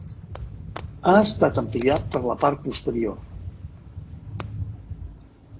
Ha estat ampliat per la part posterior.